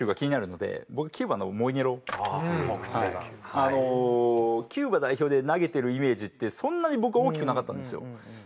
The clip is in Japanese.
あのキューバ代表で投げてるイメージってそんなに僕大きくなかったんですよ。